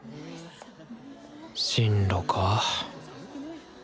進路か。